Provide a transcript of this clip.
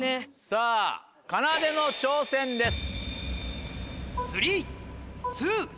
さぁかなでの挑戦です。